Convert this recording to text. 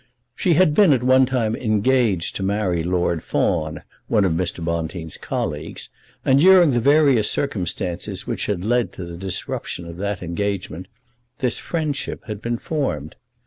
She had been at one time engaged to marry Lord Fawn, one of Mr. Bonteen's colleagues, and during the various circumstances which had led to the disruption of that engagement, this friendship had been formed.